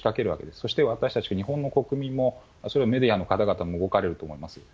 そして私たち日本の国民も、メディアの方々も動かれると思います。